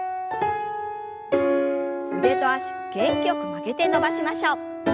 腕と脚元気よく曲げて伸ばしましょう。